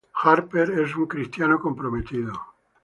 Harper es un cristiano comprometido.